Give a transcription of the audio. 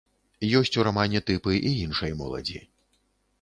Ёсць у рамане тыпы і іншай моладзі.